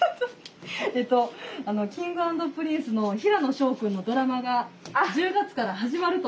えっとあのＫｉｎｇ＆Ｐｒｉｎｃｅの平野紫耀くんのドラマが１０月から始まると。